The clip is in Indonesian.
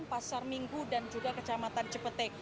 pasar minggu dan juga kecamatan cipetek